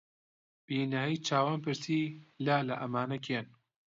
بینایی چاوان پرسی: لالە ئەمانە کێن؟